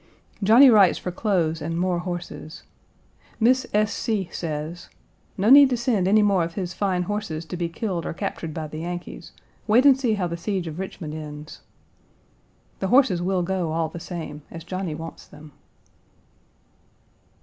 Johnny writes for clothes and more horses. Miss S. C. says: "No need to send any more of his fine horses to be killed or captured by the Yankees; wait and see how the siege of Richmond ends." The horses will go all the same, as Johnny wants them.